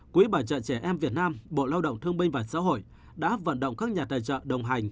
quỹ bảo trợ trẻ em việt nam bộ lao động thương binh và xã hội đã vận động các nhà tài trợ đồng hành